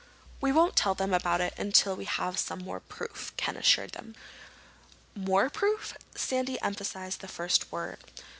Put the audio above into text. "We won't tell them about it until we have some more proof," Ken assured him. "More proof?" Sandy emphasized the first word.